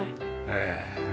へえ。